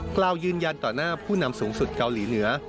กล่าวยืนยันต่อหน้าผู้นำสูงสุดเกาหลีเหนือ